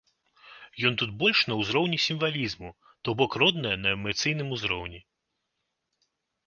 Ён тут больш на ўзроўні сімвалізму, то бок родная на эмацыйным узроўні.